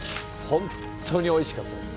本当においしかったです。